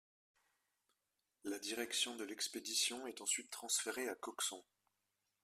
La direction de l'expédition est ensuite transférée à Coxon.